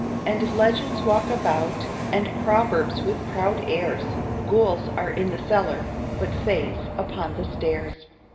And legends walk about, And proverbs, with proud airs. Ghouls are in the cellar, But fays upon the stairs.